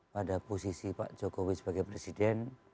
pada posisi pak jokowi sebagai presiden